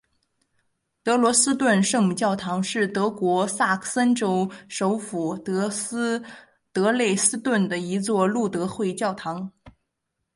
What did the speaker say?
德累斯顿圣母教堂是德国萨克森州首府德累斯顿的一座路德会教堂。